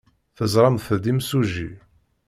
Teẓramt-d imsujji.